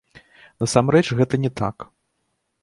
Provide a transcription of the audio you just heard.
Насамрэч гэта не так.